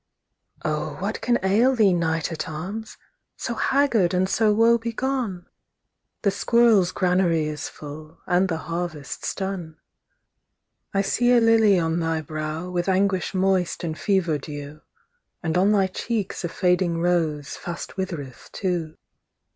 II.O what can ail thee, knight at arms! So haggard and so woe begone? The squirrel's granary is full, And the harvest's done. III.I see a lily on thy browWith anguish moist and fever dew, And on thy cheeks a fading roseFast withereth too.